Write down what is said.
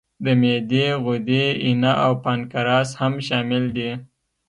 د معدې غدې، ینه او پانکراس هم شامل دي.